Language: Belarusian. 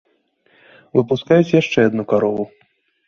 Выпускаюць яшчэ адну карову.